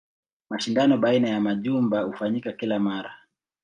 Mashindano baina ya majumba hufanyika kila mara.